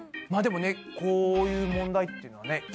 まあでもねこういう問題っていうのはね